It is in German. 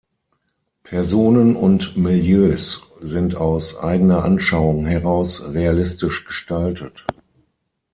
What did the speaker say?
Personen und Milieus sind aus eigener Anschauung heraus realistisch gestaltet.